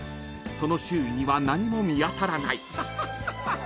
［その周囲には何も見当たらない］